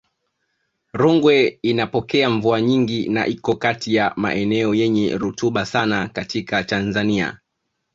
Rungwe inapokea mvua nyingi na iko kati ya maeneo yenye rutuba sana katika Tanzania